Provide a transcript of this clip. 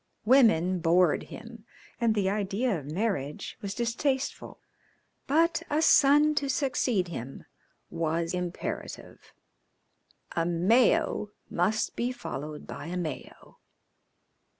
Women bored him, and the idea of marriage was distasteful, but a son to succeed him was imperative a Mayo must be followed by a Mayo.